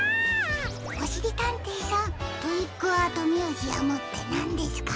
おしりたんていさんトリックアートミュージアムってなんですか？